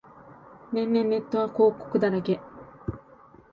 年々ネットは広告だらけ